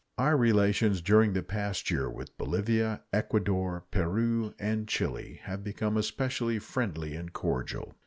Our relations during the past year with Bolivia, Ecuador, Peru, and Chile have become especially friendly and cordial.